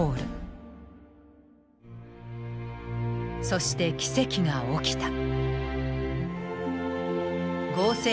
そして奇跡が起きた。